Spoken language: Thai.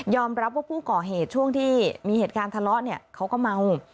รับว่าผู้ก่อเหตุช่วงที่มีเหตุการณ์ทะเลาะเนี่ยเขาก็เมา